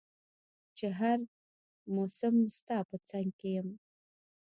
چي هر مسم ستا په څنګ کي يم